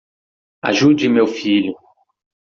Ajude meu filho